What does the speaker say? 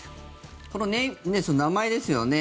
この名前ですよね。